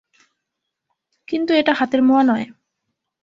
এটা কিন্তু হাতের মোয়া নয়।